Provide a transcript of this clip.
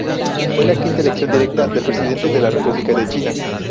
Fue la quinta elección directa del Presidente de la República de China.